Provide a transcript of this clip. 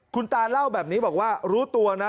คุณตาเล่าแบบนี้บอกว่ารู้ตัวนะ